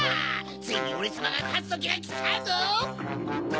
ついにオレさまがかつときがきたぞ！